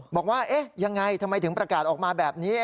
บอกว่าเอ๊ะยังไงทำไมถึงประกาศออกมาแบบนี้